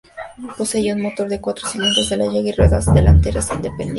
Poseía un motor de cuatro cilindros Delahaye y ruedas delanteras independientes.